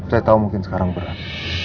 saya tahu mungkin sekarang berat